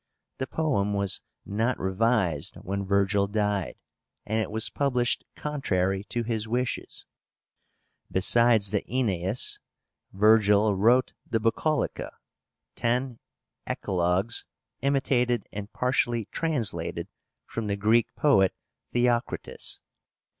The poem was not revised when Virgil died, and it was published contrary to his wishes. Besides the Aenéis, Virgil wrote the Bucolica, ten Eclogues imitated and partially translated from the Greek poet Theocritus.